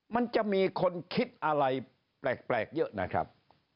มันจะมีคนคิดอะไรแปลกเยอะนะครับ